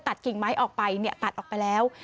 กิ่งไม้ออกไปตัดออกไปแล้ว